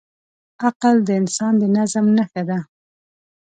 عقل د انسان د نظم نښه ده.